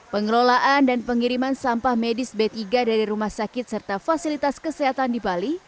pengelolaan dan pengiriman sampah medis b tiga dari rumah sakit serta fasilitas kesehatan di bali